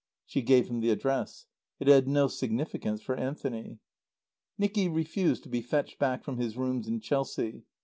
She gave him the address. It had no significance for Anthony. Nicky refused to be fetched back from his rooms in Chelsea.